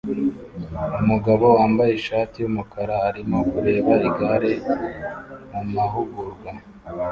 Umugabo wambaye ishati yumukara arimo kureba igare mumahugurwa